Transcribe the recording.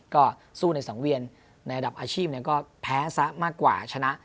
ก็สู้ในสังเวียนในระดับอาชีพก็แพ้ซะมากกว่าชนะ